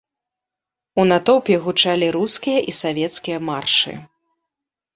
У натоўпе гучалі рускія і савецкія маршы.